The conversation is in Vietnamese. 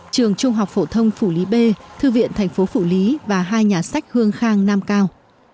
trường trung học phổ thông phủ lý b thư viện thành phố phủ lý và hai nhà sách hương khang nam cao